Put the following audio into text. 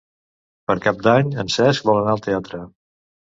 Per Cap d'Any en Cesc vol anar al teatre.